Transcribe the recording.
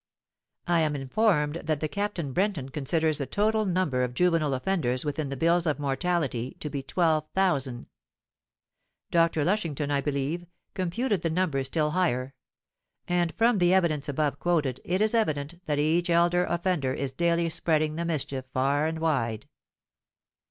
"I am informed that Captain Brenton considers the total number of juvenile offenders within the bills of mortality to be 12,000. Dr. Lushington, I believe, computed the number still higher; and from the evidence above quoted it is evident that each elder offender is daily spreading the mischief far and wide.